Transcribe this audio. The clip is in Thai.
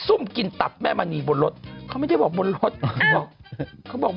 อึกอึกอึกอึกอึกอึกอึกอึกอึก